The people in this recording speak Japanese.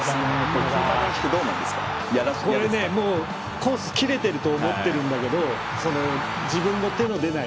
コースが切れてると思ってるんだけど自分の手が出ない